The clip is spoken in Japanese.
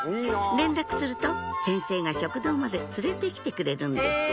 連絡すると先生が食堂まで連れてきてくるんです